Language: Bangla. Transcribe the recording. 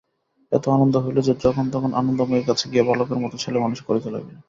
এত আনন্দ হইল যে, যখন-তখন আনন্দময়ীর কাছে গিয়া বালকের মতো ছেলেমানুষি করিতে লাগিল।